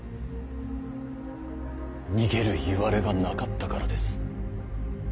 逃げるいわれがなかったからです。